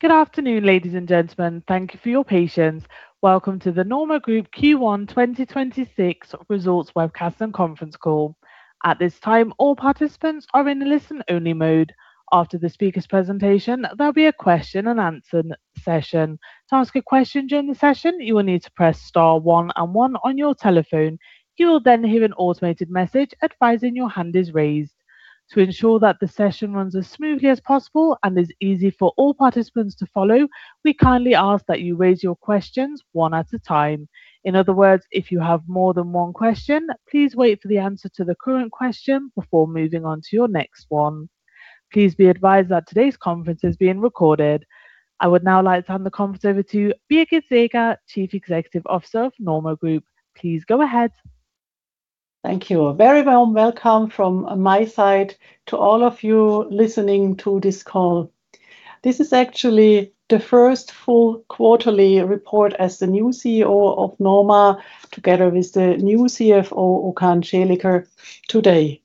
Good afternoon, ladies and gentlemen. Thank you for your patience. Welcome to the NORMA Group Q1 2026 results webcast and conference call. At this time, all participants are in a listen-only mode. After the speaker's presentation, there'll be a question-and-answer session. To ask a question during the session, you will need to press star one and one on your telephone. You will then hear an automated message advising your hand is raised. To ensure that the session runs as smoothly as possible and is easy for all participants to follow, we kindly ask that you raise your questions one at a time. In other words, if you have more than one question, please wait for the answer to the current question before moving on to your next one. Please be advised that today's conference is being recorded. I would now like to hand the conference over to Birgit Seeger, Chief Executive Officer of NORMA Group. Please go ahead. Thank you. Very warm welcome from my side to all of you listening to this call. This is actually the first full quarterly report as the new CEO of NORMA, together with the new CFO, Okan Celiker, today.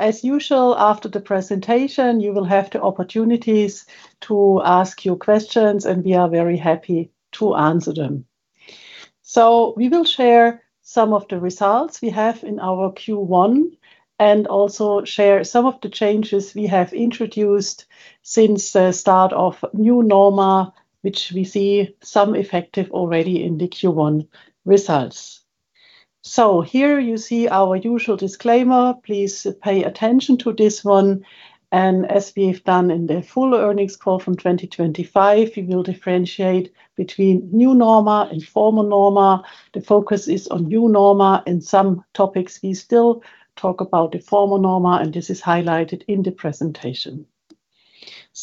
As usual, after the presentation, you will have the opportunities to ask your questions, and we are very happy to answer them. We will share some of the results we have in our Q1, and also share some of the changes we have introduced since the start of new NORMA, which we see some effective already in the Q1 results. Here you see our usual disclaimer. Please pay attention to this one. As we have done in the full earnings call from 2025, we will differentiate between new NORMA and former NORMA. The focus is on new NORMA. In some topics we still talk about the former NORMA, and this is highlighted in the presentation.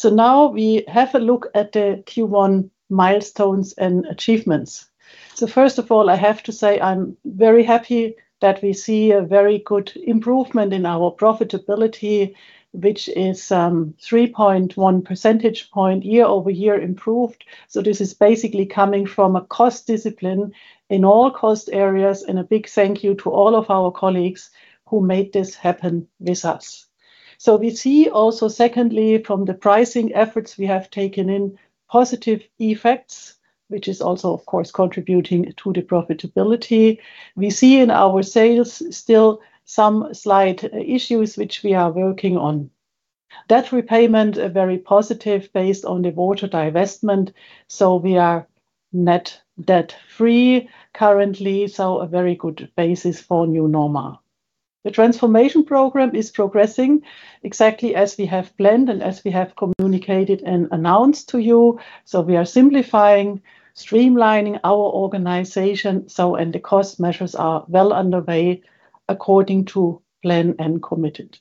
Now we have a look at the Q1 milestones and achievements. First of all, I have to say I'm very happy that we see a very good improvement in our profitability, which is 3.1 percentage point year-over-year improved. This is basically coming from a cost discipline in all cost areas, and a big thank you to all of our colleagues who made this happen with us. We see also secondly from the pricing efforts we have taken in positive effects, which is also of course contributing to the profitability. We see in our sales still some slight issues which we are working on. Debt repayment are very positive based on the water divestment, so we are net debt-free currently, so a very good basis for new NORMA. The transformation program is progressing exactly as we have planned and as we have communicated and announced to you. We are simplifying, streamlining our organization, and the cost measures are well underway according to plan and committed.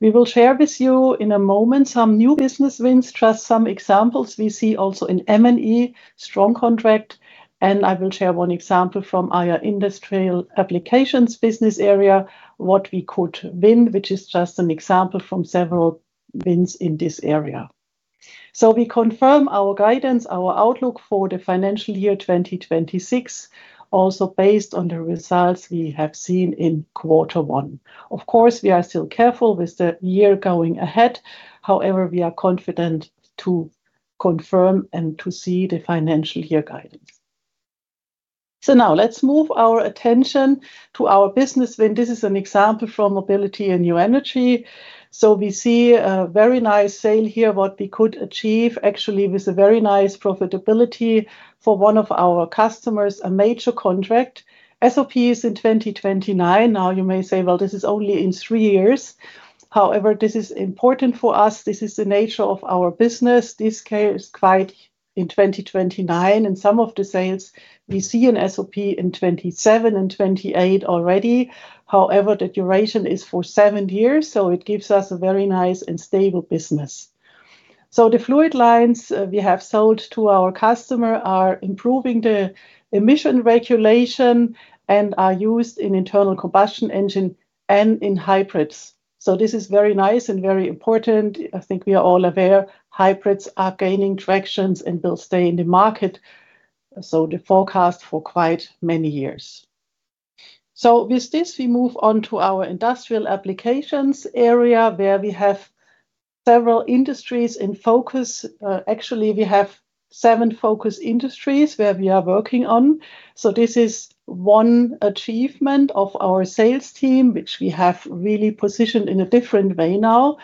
We will share with you in a moment some new business wins. Just some examples we see also in M&E, strong contract. I will share one example from our Industry Applications business area, what we could win, which is just an example from several wins in this area. We confirm our guidance, our outlook for the financial year 2026, also based on the results we have seen in quarter one. Of course, we are still careful with the year going ahead. We are confident to confirm and to see the financial year guidance. Now let's move our attention to our business win. This is an example from Mobility & Energy. We see a very nice sale here, what we could achieve actually with a very nice profitability for one of our customers, a major contract. SOP is in 2029. Now you may say, well, this is only in three years. This is important for us. This is the nature of our business. This sale is quite in 2029, and some of the sales we see in SOP in 2027 and 2028 already. The duration is for seven years, it gives us a very nice and stable business. The fluid lines we have sold to our customer are improving the emission regulation and are used in internal combustion engine and in hybrids. This is very nice and very important. I think we are all aware hybrids are gaining traction and will stay in the market, so the forecast for quite many years. With this, we move on to our Industry Applications area where we have several industries in focus. Actually we have seven focus industries where we are working on. This is one achievement of our sales team, which we have really positioned in a different way now.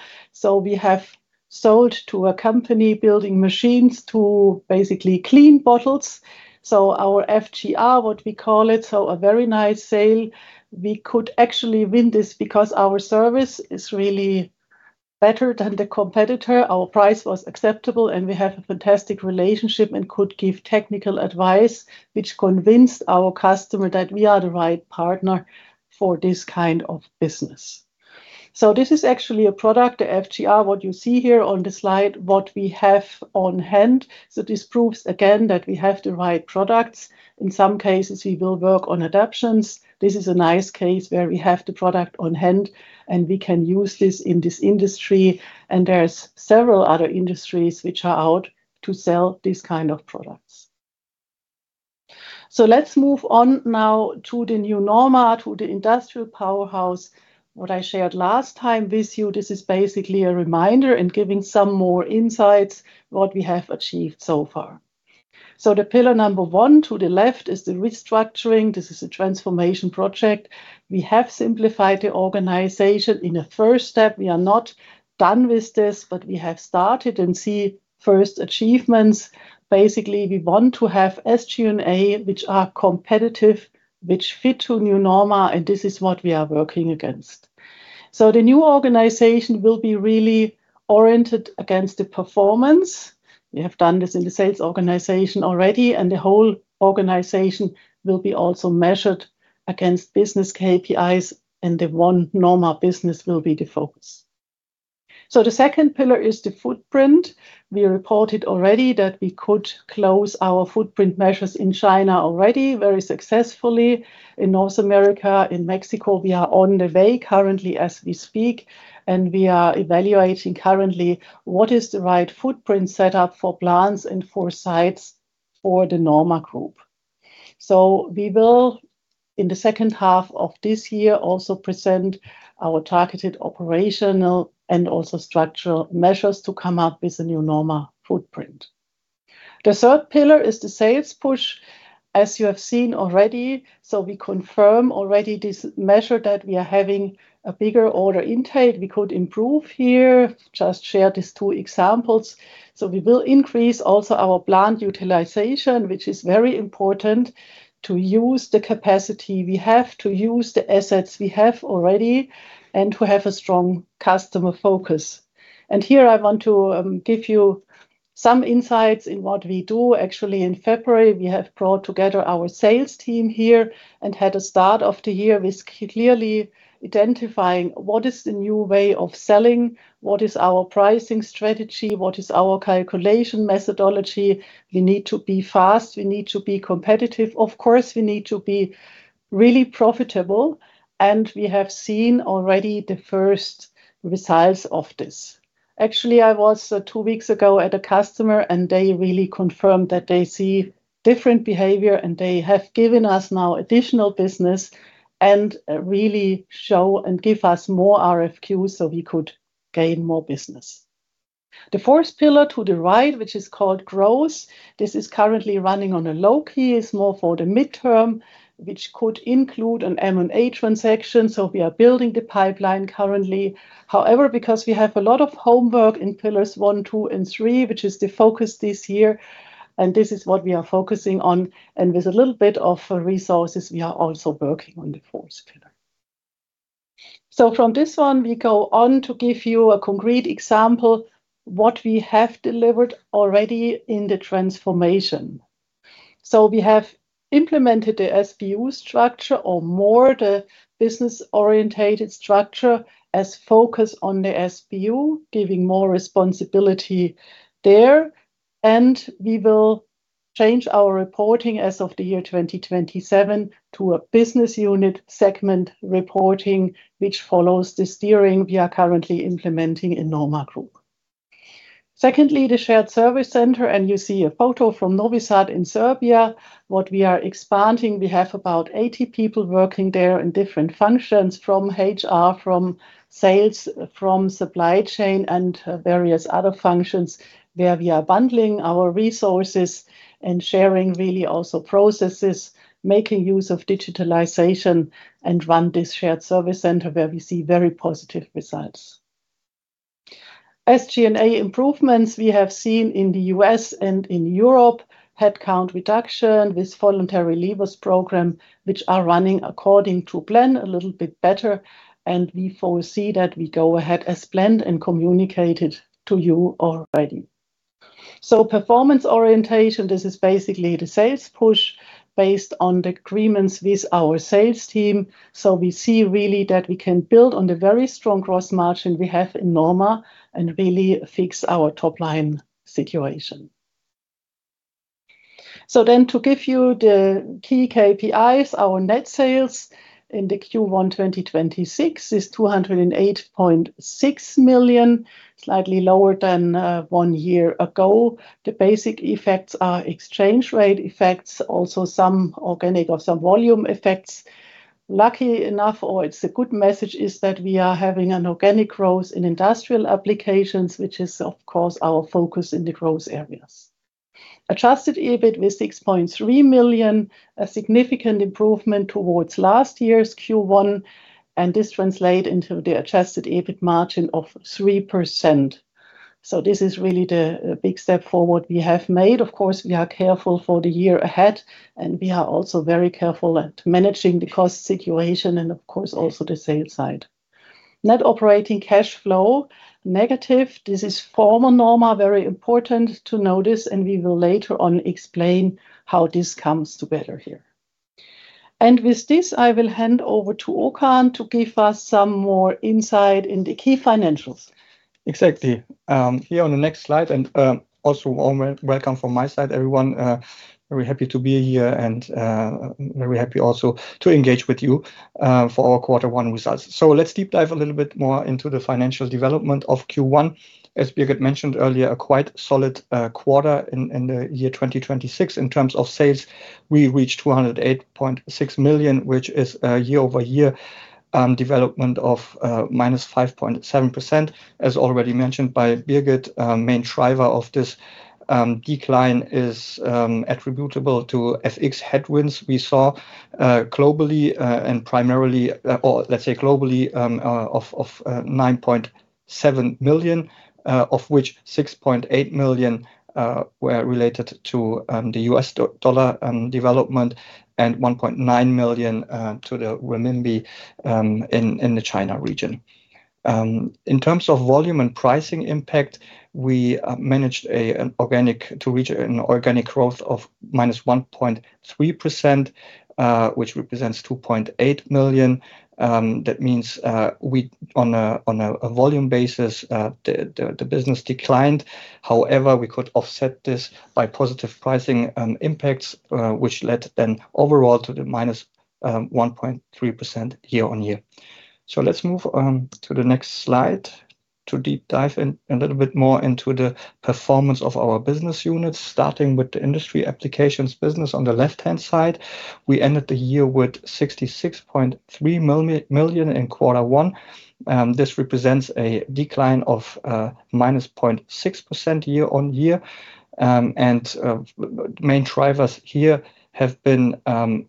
We have sold to a company building machines to basically clean bottles. Our FGR, what we call it, so a very nice sale. We could actually win this because our service is really better than the competitor. Our price was acceptable, and we have a fantastic relationship and could give technical advice which convinced our customer that we are the right partner for this kind of business. This is actually a product, the FGR, what you see here on the slide, what we have on hand. This proves again that we have the right products. In some cases, we will work on adaptations. This is a nice case where we have the product on hand, and we can use this in this industry, and there are several other industries which are out to sell these kind of products. Let's move on now to the new NORMA, to the industrial powerhouse. What I shared last time with you, this is basically a reminder and giving some more insights what we have achieved so far. The pillar number 1 to the left is the restructuring. This is a transformation project. We have simplified the organization in a first step. We are not done with this, but we have started and see first achievements. We want to have SG&A which are competitive, which fit to new NORMA, and this is what we are working against. The new organization will be really oriented against the performance. We have done this in the sales organization already, and the whole organization will be also measured against business KPIs and the one NORMA business will be the focus. The second pillar is the footprint. We reported already that we could close our footprint measures in China already very successfully. In North America, in Mexico, we are on the way currently as we speak, and we are evaluating currently what is the right footprint set up for plants and for sites for the NORMA Group. We will, in the second half of this year, also present our targeted operational and structural measures to come up with a new NORMA footprint. The third pillar is the sales push, as you have seen already. We confirm already this measure that we are having a bigger order intake. We could improve here. Just share these two examples. We will increase also our plant utilization, which is very important to use the capacity we have, to use the assets we have already, and to have a strong customer focus. Here I want to give you some insights in what we do. Actually, in February, we have brought together our sales team here and had a start of the year with clearly identifying what is the new way of selling, what is our pricing strategy, what is our calculation methodology. We need to be fast. We need to be competitive. Of course, we need to be really profitable, and we have seen already the first results of this. Actually, I was two weeks ago at a customer, and they really confirmed that they see different behavior, and they have given us now additional business and really show and give us more RFQs so we could gain more business. The fourth pillar to the right, which is called growth, this is currently running on a low key. It's more for the midterm, which could include an M&A transaction, so we are building the pipeline currently. However, because we have a lot of homework in pillars one, two, and three, which is the focus this year, and this is what we are focusing on. With a little bit of resources, we are also working on the fourth pillar. From this one we go on to give you a concrete example what we have delivered already in the transformation. We have implemented the SBU structure or more the business-oriented structure as focus on the SBU, giving more responsibility there. We will change our reporting as of the year 2027 to a business unit segment reporting, which follows the steering we are currently implementing in NORMA Group. Secondly, the shared service center, and you see a photo from Novi Sad in Serbia. What we are expanding, we have about 80 people working there in different functions, from HR, from sales, from supply chain and various other functions, where we are bundling our resources and sharing really also processes, making use of digitalization and run this shared service center where we see very positive results. SG&A improvements we have seen in the U.S. and in Europe. Headcount reduction with voluntary leavers program, which are running according to plan a little bit better, and we foresee that we go ahead as planned and communicated to you already. Performance orientation, this is basically the sales push based on the agreements with our sales team. We see really that we can build on the very strong gross margin we have in NORMA and really fix our top line situation. To give you the key KPIs, our net sales in the Q1 2026 is 208.6 million, slightly lower than one year ago. The basic effects are exchange rate effects, also some organic or some volume effects. Lucky enough or it's a good message, is that we are having an organic growth in Industry Applications, which is of course our focus in the growth areas. Adjusted EBIT with 6.3 million, a significant improvement towards last year's Q1, this translate into the adjusted EBIT margin of 3%. This is really the big step forward we have made. Of course, we are careful for the year ahead, we are also very careful at managing the cost situation and of course also the sales side. Net operating cash flow negative. This is former NORMA. Very important to notice, we will later on explain how this comes together here. With this, I will hand over to Okan to give us some more insight in the key financials. Exactly. Here on the next slide and also warm welcome from my side, everyone. Very happy to be here and very happy also to engage with you for our quarter one results. Let's deep dive a little bit more into the financial development of Q1. As Birgit mentioned earlier, a quite solid quarter in 2026. In terms of sales, we reached 208.6 million, which is a year-over-year development of -5.7%. As already mentioned by Birgit, main driver of this decline is attributable to FX headwinds we saw globally, of 9.7 million, of which 6.8 million were related to the US dollar development and 1.9 million to the renminbi in the China region. In terms of volume and pricing impact, we managed to reach an organic growth of -1.3%, which represents 2.8 million. That means on a volume basis, the business declined. However, we could offset this by positive pricing impacts, which led overall to the -1.3% year-on-year. Let's move to the next slide to deep dive in a little bit more into the performance of our business units, starting with the Industry Applications business on the left-hand side. We ended the year with 66.3 million in Q1. This represents a decline of -0.6% year-on-year. And the main drivers here have been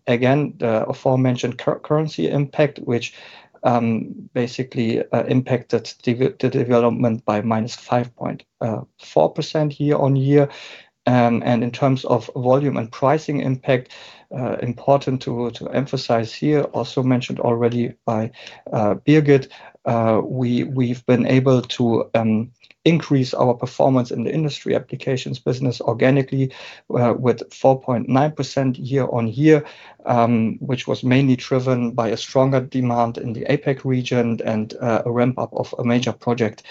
again the aforementioned currency impact, which basically impacted the development by -5.4% year-on-year. In terms of volume and pricing impact, important to emphasize here, also mentioned already by Birgit, we've been able to increase our performance in the Industry Applications business organically, with 4.9% year-on-year, which was mainly driven by a stronger demand in the APAC region and a ramp-up of a major project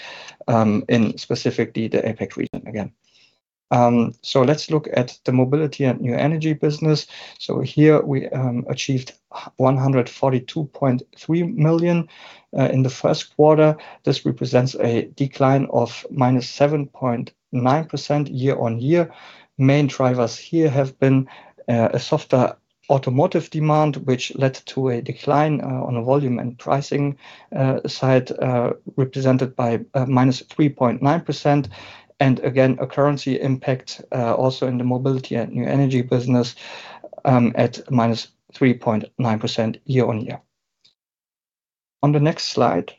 in specifically the APAC region again. Let's look at the Mobility & Energy business. Here we achieved 142.3 million in the first quarter. This represents a decline of -7.9% year-on-year. Main drivers here have been a softer automotive demand, which led to a decline on volume and pricing side, represented by -3.9%. A currency impact, also in the Mobility & Energy, at -3.9% year-on-year. On the next slide,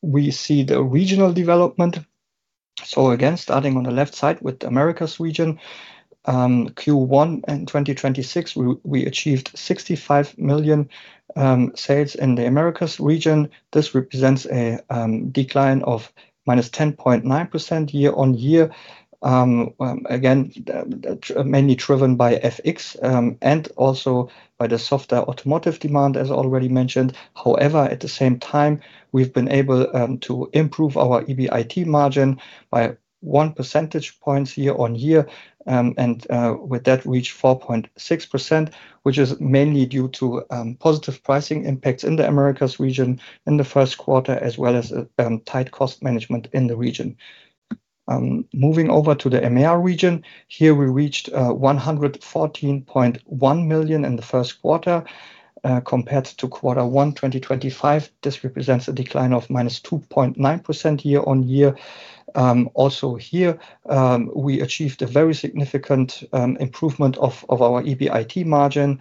we see the regional development. Starting on the left side with the Americas region, Q1 2026, we achieved 65 million sales in the Americas region. This represents a decline of -10.9% year-on-year. Mainly driven by FX and also by the softer automotive demand, as already mentioned. At the same time, we've been able to improve our EBIT margin by one percentage points year-on-year, and with that reach 4.6%, which is mainly due to positive pricing impacts in the Americas region in the first quarter, as well as tight cost management in the region. Moving over to the EMEA region, here we reached 114.1 million in the first quarter, compared to Q1 2025. This represents a decline of -2.9% year-on-year. Also here, we achieved a very significant improvement of our EBIT margin,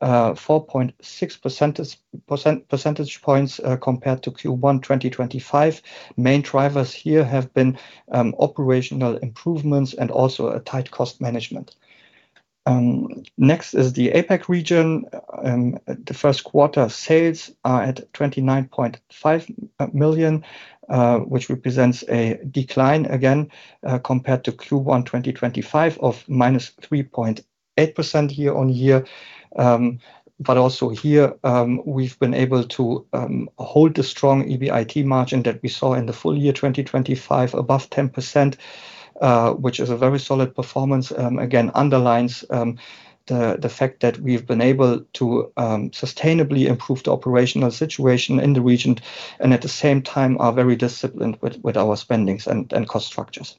4.6 percentage points, compared to Q1 2025. Main drivers here have been operational improvements and also a tight cost management. Next is the APAC region. The first quarter sales are at 29.5 million, which represents a decline again, compared to Q1 2025 of -3.8% year-on-year. Also here, we've been able to hold the strong EBIT margin that we saw in the full year 2025 above 10%, which is a very solid performance, again, underlines the fact that we've been able to sustainably improve the operational situation in the region and at the same time are very disciplined with our spendings and cost structures.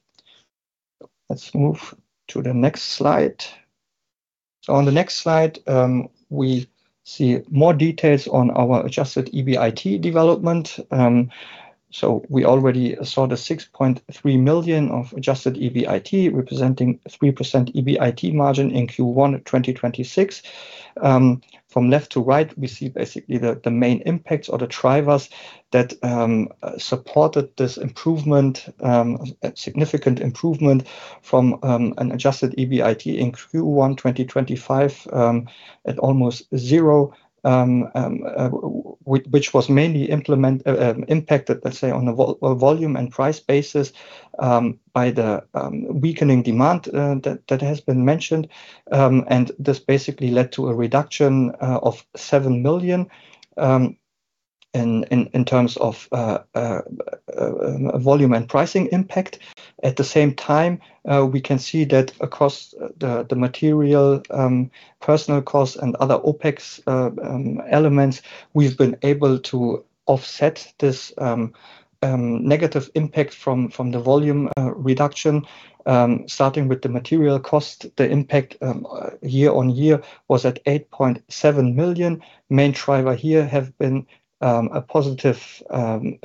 Let's move to the next slide. On the next slide, we see more details on our adjusted EBIT development. We already saw the 6.3 million of adjusted EBIT, representing 3% EBIT margin in Q1 2026. From left to right, we see basically the main impacts or the drivers that supported this improvement, a significant improvement from an adjusted EBIT in Q1 2025 at almost 0%, which was mainly impacted, let's say, on a volume and price basis, by the weakening demand that has been mentioned. This basically led to a reduction of 7 million in terms of volume and pricing impact. At the same time, we can see that across the material, personal costs and other OPEX elements, we've been able to offset this negative impact from the volume reduction. Starting with the material cost, the impact year-on-year was at 8.7 million. Main driver here have been a positive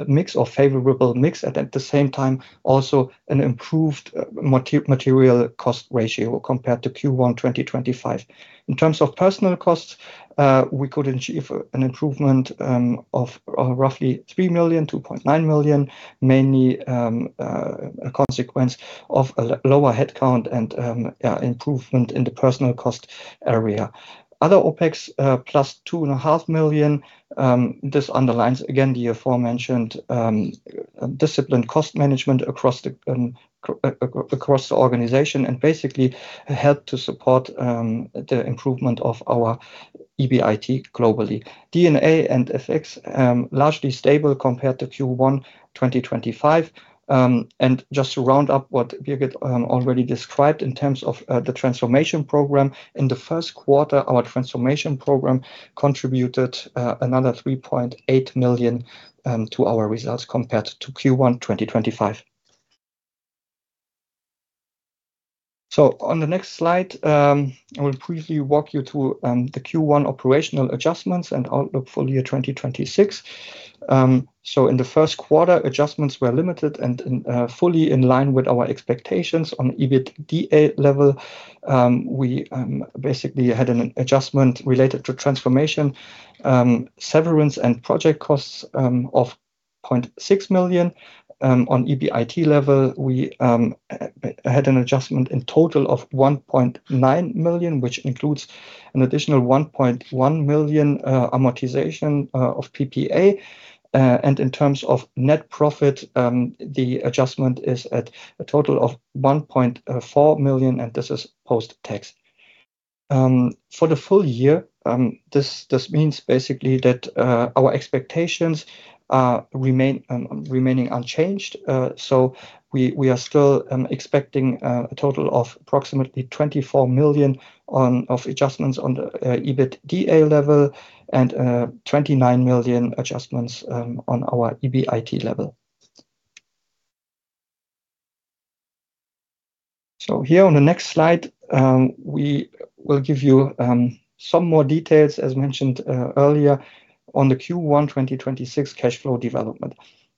mix or favorable mix, and at the same time also an improved material cost ratio compared to Q1 2025. In terms of personnel costs, we could achieve an improvement of roughly 3 million, 2.9 million, mainly a consequence of a lower headcount and improvement in the personnel cost area. Other OPEX, +2.5 million. This underlines again the aforementioned disciplined cost management across the organization, and basically helped to support the improvement of our EBIT globally. D&A and FX, largely stable compared to Q1 2025. And just to round up what Birgit Seeger already described in terms of the Transformation Program. In the first quarter, our transformation program contributed another 3.8 million to our results compared to Q1 2025. On the next slide, I will briefly walk you through the Q1 operational adjustments and outlook for year 2026. In the first quarter, adjustments were limited and fully in line with our expectations. On EBITDA level, we basically had an adjustment related to transformation, severance and project costs of 0.6 million. On EBIT level, we had an adjustment in total of 1.9 million, which includes an additional 1.1 million amortization of PPA. In terms of net profit, the adjustment is at a total of 1.4 million, and this is post-tax. For the full year, this means basically that our expectations remain unchanged. We are still expecting a total of approximately 24 million of adjustments on the EBITDA level and 29 million adjustments on our EBIT level. Here on the next slide, we will give you some more details, as mentioned earlier, on the Q1 2026 cash flow development.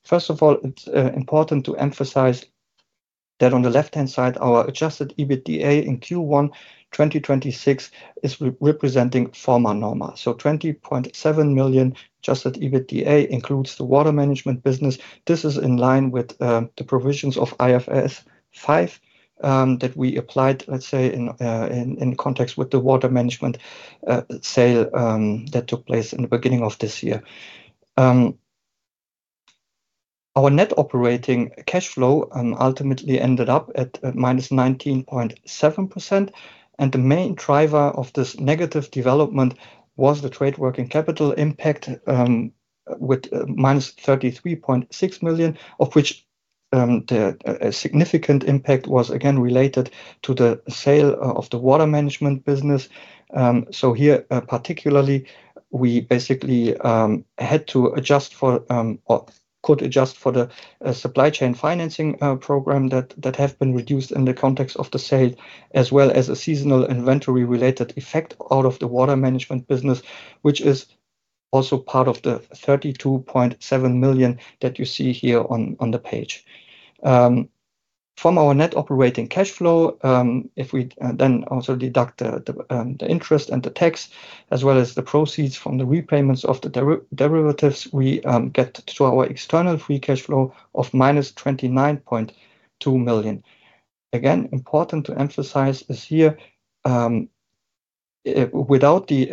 First of all, it's important to emphasize that on the left-hand side, our adjusted EBITDA in Q1 2026 is re-representing former NORMA. 20.7 million adjusted EBITDA includes the water management business. This is in line with the provisions of IFRS 5 that we applied, let's say, in context with the water management sale that took place in the beginning of this year. Our net operating cash flow ultimately ended up at minus 19.7%, and the main driver of this negative development was the trade working capital impact with minus 33.6 million, of which the significant impact was again related to the sale of the water management business. Here, particularly, we basically had to adjust for or could adjust for the supply chain financing program that have been reduced in the context of the sale, as well as a seasonal inventory related effect out of the water management business, which is also part of the 32.7 million that you see here on the page. From our net operating cash flow, if we then also deduct the interest and the tax, as well as the proceeds from the repayments of the derivatives, we get to our external free cash flow of minus 29.2 million. Again, important to emphasize this here, without the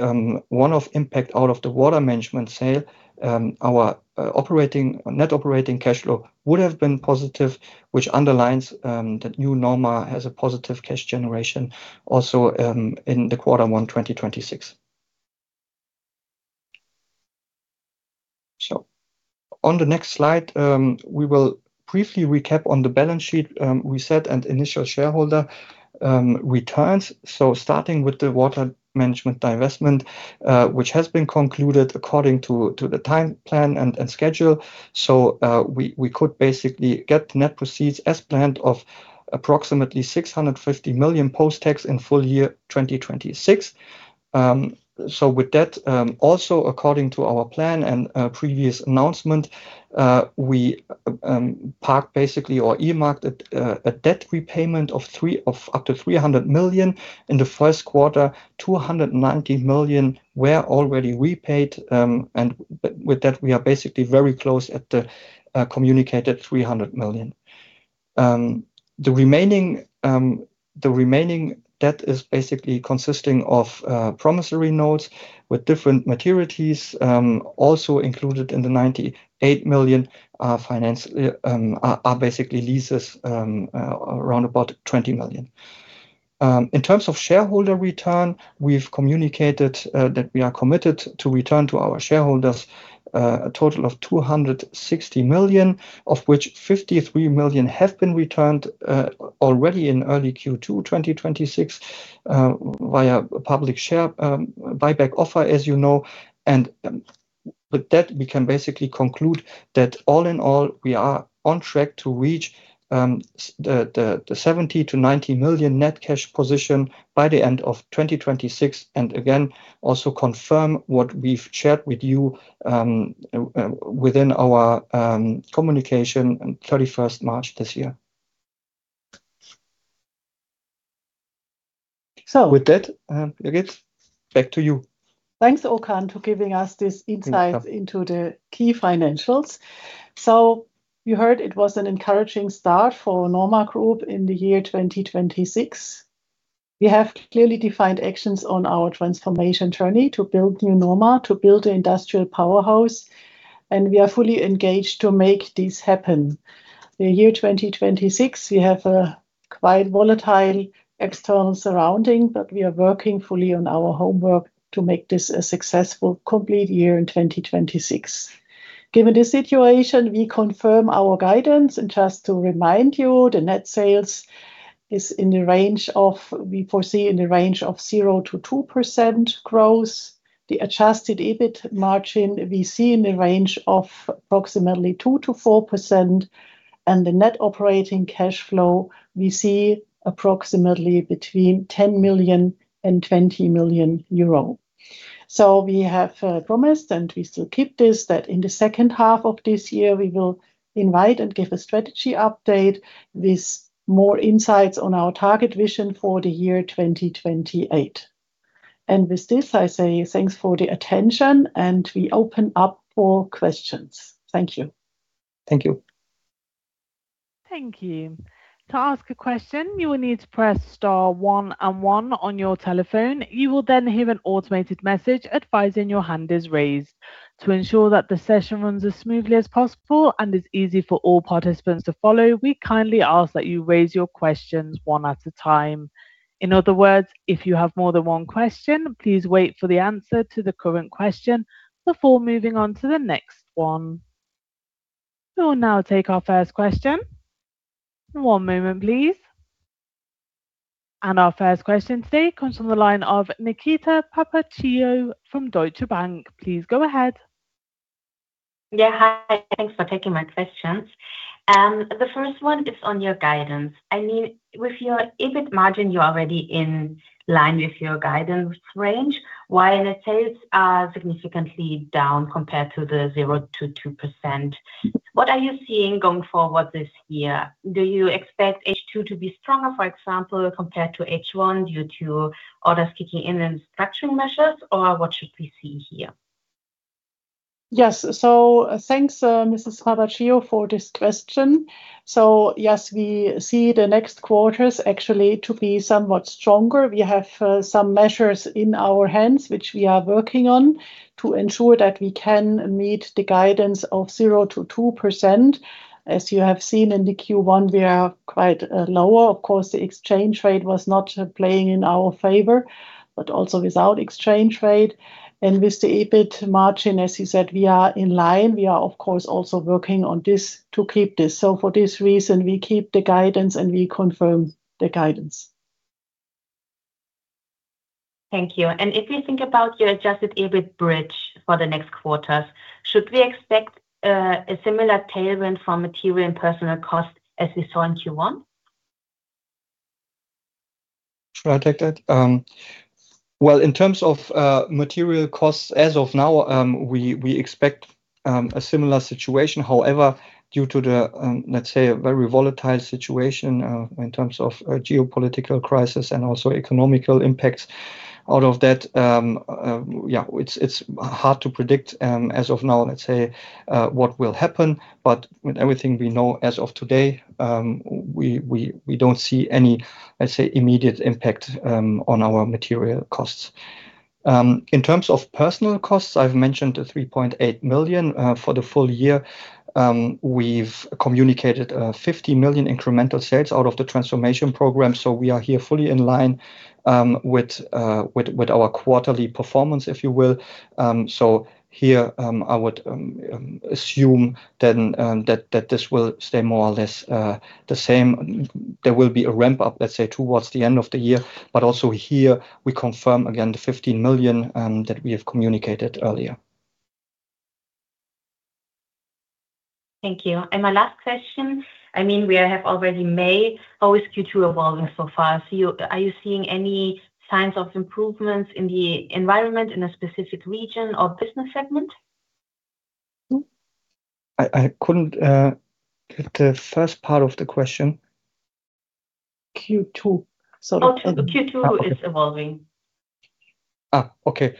one-off impact out of the water management sale, our net operating cash flow would have been positive, which underlines that new NORMA has a positive cash generation also in the quarter one 2026. On the next slide, we will briefly recap on the balance sheet reset and initial shareholder returns. Starting with the water management divestment, which has been concluded according to the time plan and schedule. We could basically get the net proceeds as planned of approximately 650 million post-tax in full year 2026. With that, also according to our plan and previous announcement, we parked basically or earmarked a debt repayment of up to 300 million. In the first quarter, 290 million were already repaid, and with that we are basically very close at the communicated 300 million. The remaining debt is basically consisting of promissory notes with different maturities. Also included in the 98 million are basically leases, around about 20 million. In terms of shareholder return, we've communicated that we are committed to return to our shareholders a total of 260 million, of which 53 million have been returned already in early Q2 2026 via public share buyback offer, as you know. With that, we can basically conclude that all in all, we are on track to reach the 70 million-90 million net cash position by the end of 2026, and again, also confirm what we've shared with you within our communication in 31st March this year. So- With that, Birgit, back to you. Thanks, Okan, to giving us this insight. Thanks Into the key financials. You heard it was an encouraging start for NORMA Group in the year 2026. We have clearly defined actions on our transformation journey to build new NORMA, to build an industrial powerhouse, and we are fully engaged to make this happen. The year 2026, we have a quite volatile external surrounding, but we are working fully on our homework to make this a successful complete year in 2026. Given the situation, we confirm our guidance. Just to remind you, the net sales is in the range of we foresee in the range of 0%-2% growth. The adjusted EBIT margin we see in the range of approximately 2%-4%. The net operating cash flow we see approximately between 10 million and 20 million euro. We have promised, and we still keep this, that in the second half of this year we will invite and give a strategy update with more insights on our target vision for the year 2028. With this, I say thanks for the attention, and we open up for questions. Thank you. Thank you. Thank you. To ask a question, you will need to press star one and one on your telephone. You will then hear an automated message advising your hand is raised. To ensure that the session runs as smoothly as possible and is easy for all participants to follow, we kindly ask that you raise your questions one at a time. In other words, if you have more than one question, please wait for the answer to the current question before moving on to the next one. We will now take our first question. One moment, please. Our first question today comes from the line of Nikita Papaccio from Deutsche Bank. Please go ahead. Yeah. Hi. Thanks for taking my questions. The first one is on your guidance. I mean, with your EBIT margin, you're already in line with your guidance range, while net sales are significantly down compared to the 0%-2%. What are you seeing going forward this year? Do you expect H2 to be stronger, for example, compared to H1 due to orders kicking in and structuring measures, or what should we see here? Yes. Thanks, Mrs. Papaccio, for this question. Yes, we see the next quarters actually to be somewhat stronger. We have some measures in our hands which we are working on to ensure that we can meet the guidance of 0%-2%. As you have seen in the Q1, we are quite lower. Of course, the exchange rate was not playing in our favor. Also without exchange rate and with the EBIT margin, as you said, we are in line. We are, of course, also working on this to keep this. For this reason, we keep the guidance and we confirm the guidance. Thank you. If you think about your adjusted EBIT bridge for the next quarters, should we expect a similar tailwind for material and personal cost as we saw in Q1? Should I take that? Well, in terms of material costs, as of now, we expect a similar situation. However, due to the, let's say a very volatile situation, in terms of geopolitical crisis and also economic impacts out of that, it's hard to predict, as of now, let's say, what will happen. With everything we know as of today, we don't see any, let's say, immediate impact on our material costs. In terms of personal costs, I've mentioned the 3.8 million for the full year. We've communicated 50 million incremental sales out of the transformation program. We are here fully in line with our quarterly performance, if you will. Here, I would assume then, that this will stay more or less, the same. There will be a ramp-up, let's say, towards the end of the year. Also here we confirm again the 15 million, that we have communicated earlier. Thank you. My last question, I mean, we have already May. How is Q2 evolving so far? Are you seeing any signs of improvements in the environment in a specific region or business segment? I couldn't get the first part of the question. Q2. Sorry. How Q2 is evolving? Okay,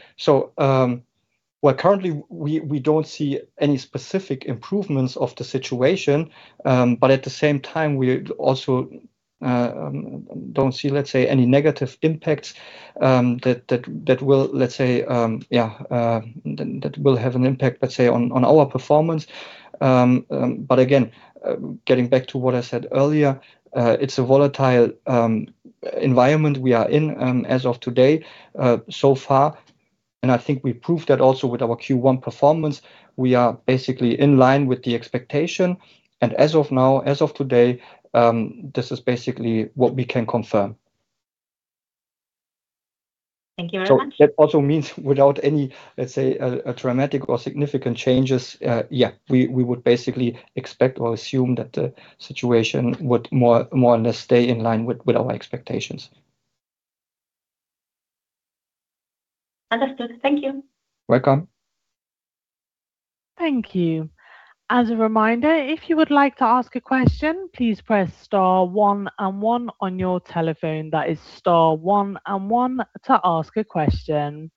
well, currently we don't see any specific improvements of the situation. But at the same time, we also don't see, let's say, any negative impacts that will, let's say, have an impact, let's say, on our performance. But again, getting back to what I said earlier, it's a volatile environment we are in as of today. So far, I think we proved that also with our Q1 performance. We are basically in line with the expectation. As of now, as of today, this is basically what we can confirm. Thank you very much. That also means without any, let's say, a dramatic or significant changes, we would basically expect or assume that the situation would more or less stay in line with our expectations. Understood. Thank you. Welcome. Thank you. As a reminder, if you would like to ask a question, please press star one and one on your telephone. That is star one and one to ask a question.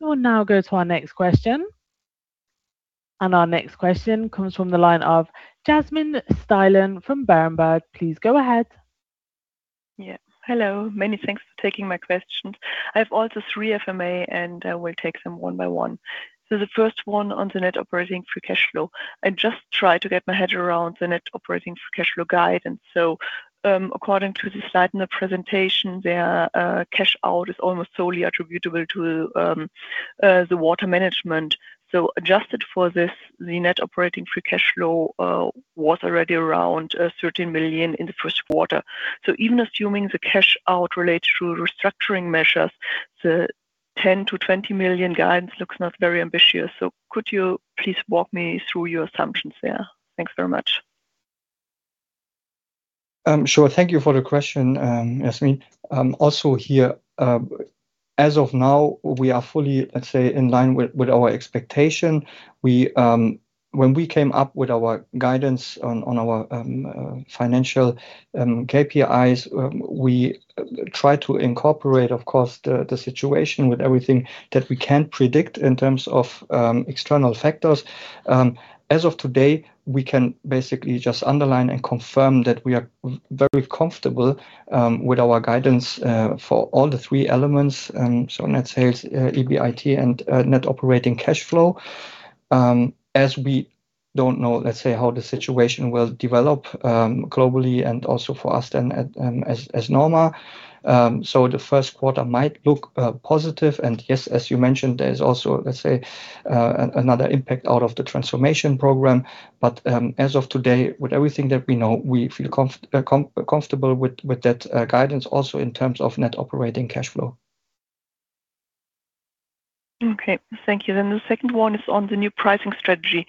We will now go to our next question. Our next question comes from the line of Yasmin Steilen from Berenberg. Please go ahead. Yeah. Hello. Many thanks for taking my questions. I have also three FMA, and I will take them one by one. The first one on the net operating free cash flow. I just try to get my head around the net operating free cash flow guide. According to the slide in the presentation, their cash out is almost solely attributable to the water management. Adjusted for this, the net operating free cash flow was already around 13 million in the first quarter. Even assuming the cash out relates to restructuring measures, the 10 million-20 million guidance looks not very ambitious. Could you please walk me through your assumptions there? Thanks very much. Sure. Thank you for the question, Yasmin. Also here, as of now, we are fully, let's say, in line with our expectation. We, when we came up with our guidance on our financial KPIs, we try to incorporate, of course, the situation with everything that we can predict in terms of external factors. As of today, we can basically just underline and confirm that we are very comfortable with our guidance for all the three elements. Net sales, EBIT, and net operating cash flow. As we don't know, let's say, how the situation will develop, globally and also for us then as NORMA. The first quarter might look positive. Yes, as you mentioned, there is also, let’s say, another impact out of the transformation program. As of today, with everything that we know, we feel comfortable with that guidance also in terms of net operating cash flow. Okay. Thank you. The second one is on the new pricing strategy.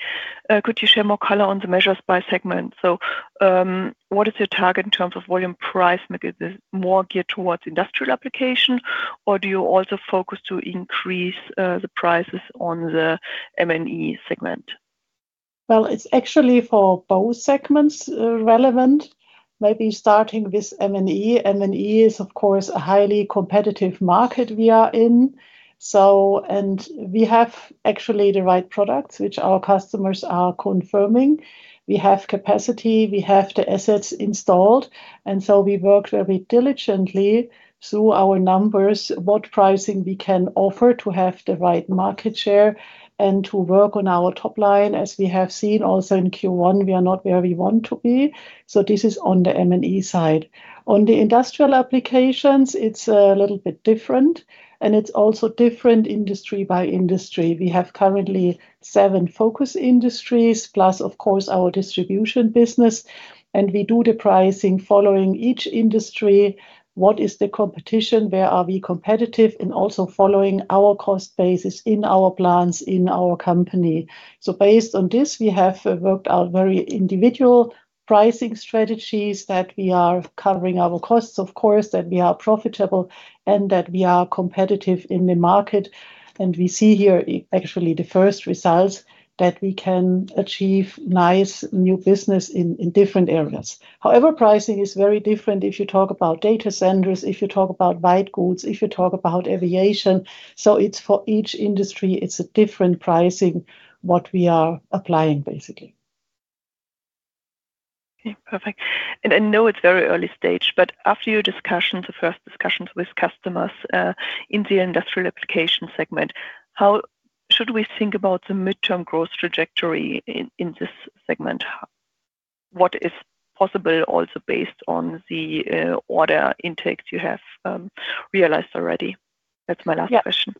Could you share more color on the measures by segment? What is your target in terms of volume price? Maybe is it more geared towards Industry Applications, or do you also focus to increase the prices on the M&E segment? It's actually for both segments relevant. Maybe starting with M&E. M&E is, of course, a highly competitive market we are in. We have actually the right products, which our customers are confirming. We have capacity, we have the assets installed, we worked very diligently through our numbers, what pricing we can offer to have the right market share and to work on our top line. As we have seen also in Q1, we are not where we want to be. This is on the M&E side. On the Industry Applications, it's a little bit different, it's also different industry by industry. We have currently seven focus industries, plus, of course, our distribution business. We do the pricing following each industry. What is the competition? Where are we competitive? Also following our cost basis in our plans in our company. Based on this, we have worked out very individual pricing strategies that we are covering our costs, of course, that we are profitable, and that we are competitive in the market. We see here actually the first results that we can achieve nice new business in different areas. However, pricing is very different if you talk about data centers, if you talk about white goods, if you talk about aviation. It's for each industry, it's a different pricing, what we are applying, basically. Okay. Perfect. I know it's very early stage, but after your discussions, the first discussions with customers, in the Industry Applications segment, how should we think about the midterm growth trajectory in this segment? What is possible also based on the order intakes you have realized already? That's my last question.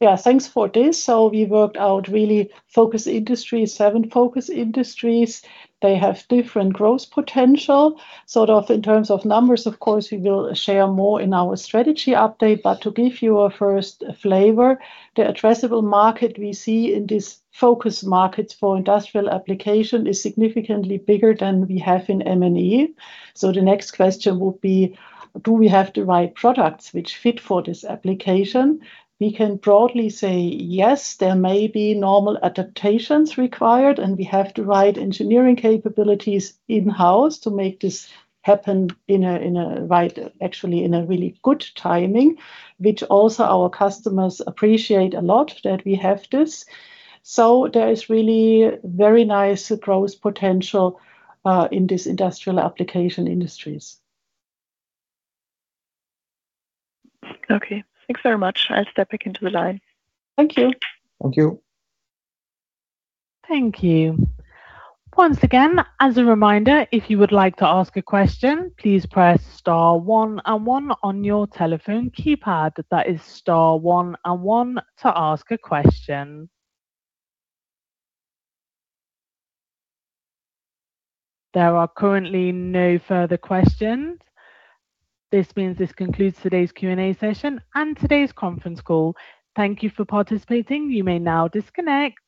Yeah. Yeah. Thanks for this. We worked out really focus industries, seven focus industries. They have different growth potential. Sort of in terms of numbers, of course, we will share more in our strategy update. To give you a first flavor, the addressable market we see in these focus markets for Industry Applications is significantly bigger than we have in M&E. The next question would be: Do we have the right products which fit for this application? We can broadly say yes, there may be normal adaptations required, and we have the right engineering capabilities in-house to make this happen in a right, actually in a really good timing, which also our customers appreciate a lot that we have this. There is really very nice growth potential in this Industry Applications industries. Okay. Thanks very much. I'll step back into the line. Thank you. Thank you. Thank you. Once again, as a reminder, if you would like to ask a question, please press star one and one on your telephone keypad. That is star one and one to ask a question. There are currently no further questions. This means this concludes today's Q&A session and today's conference call. Thank you for participating. You may now disconnect.